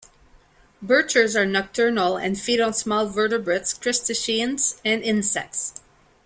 Bichirs are nocturnal and feed on small vertebrates, crustaceans, and insects.